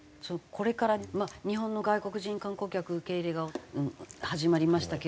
これからまあ日本の外国人観光客受け入れが始まりましたけれども。